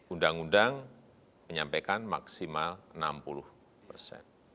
undang undang menyampaikan maksimal enam puluh persen